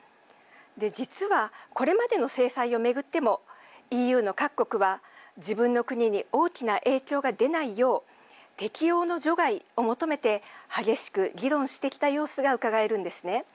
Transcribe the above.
実は、これまでの制裁を巡ってもＥＵの各国は自分の国に大きな影響が出ないよう適用の除外を求めて激しく議論してきた様子がうかがえるんですね。